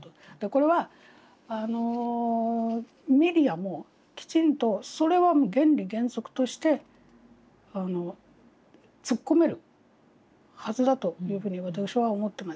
これはメディアもきちんとそれはもう原理原則として突っ込めるはずだというふうに私は思ってます。